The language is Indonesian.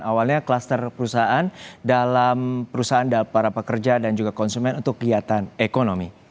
awalnya kluster perusahaan dalam perusahaan para pekerja dan juga konsumen untuk kegiatan ekonomi